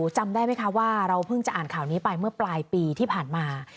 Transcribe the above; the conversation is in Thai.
จำได้ไหมคะว่าเราเพิ่งจะอ่านข่าวนี้ไปเมื่อปลายปีที่ผ่านมา